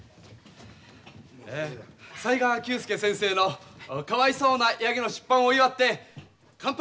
雑賀久助先生の「かわいそうなやぎ」の出版を祝って乾杯！